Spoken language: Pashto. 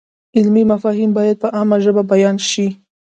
علمي مفاهیم باید په عامه ژبه بیان شي.